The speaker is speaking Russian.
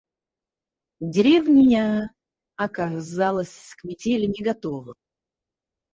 Деревня оказалась к метели не готова.